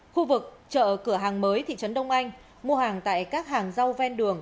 khu vực chợ cửa hàng mới thị trấn đông anh mua hàng tại các hàng rau ven đường